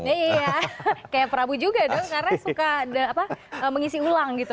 iya iya kayak prabu juga dong karena suka mengisi ulang gitu